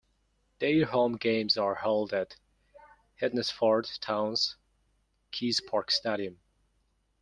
Their home games are held at Hednesford Town's Keys Park stadium.